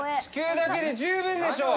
地球だけで十分でしょ！